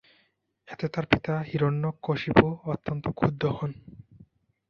এতে তার পিতা হিরণ্যকশিপু অত্যন্ত ক্ষুব্ধ হন।